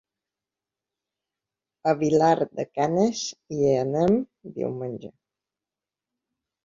A Vilar de Canes hi anem diumenge.